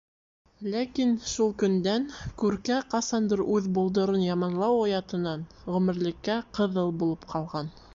Ләкин... шул көндән Күркә ҡасандыр үҙ болдорон яманлау оятынан ғүмерлеккә ҡыҙыл булып ҡалған.